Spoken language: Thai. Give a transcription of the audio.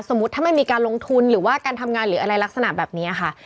ถ้าไม่มีการลงทุนหรือว่าการทำงานหรืออะไรลักษณะแบบนี้ค่ะ